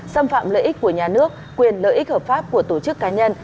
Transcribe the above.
xâm phạm lợi ích của nhà nước quyền lợi ích hợp pháp của tổ chức cá nhân